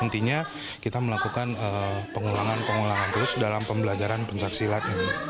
intinya kita melakukan pengulangan pengulangan terus dalam pembelajaran pencaksilat